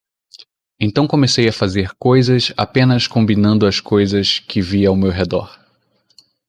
Então comecei a fazer coisas apenas combinando as coisas que vi ao meu redor.